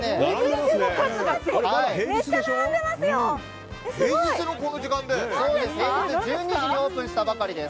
平日のこの時間で？